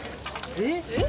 えっ？